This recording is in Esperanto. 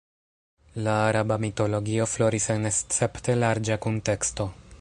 La araba mitologio floris en escepte larĝa kunteksto.